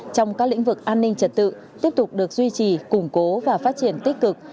trong các lĩnh vực an ninh trật tự tiếp tục được duy trì củng cố và phát triển tích cực